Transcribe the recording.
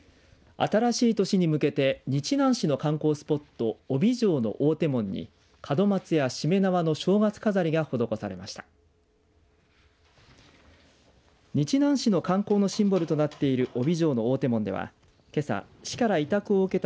新しい年に向けて日南市の観光スポット飫肥城の大手門に門松や、しめ縄の正月飾りが施されました。